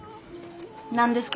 何ですか？